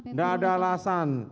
tidak ada alasan